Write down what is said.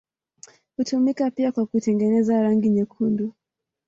Hutumika pia kwa kutengeneza rangi nyekundu.